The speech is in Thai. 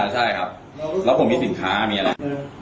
ใช่ครับแล้วผมมีสินค้ามีอะไร